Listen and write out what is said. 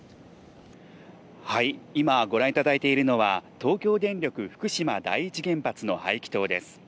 今、ご覧いただいているのは東京電力福島第一原発の排気塔です。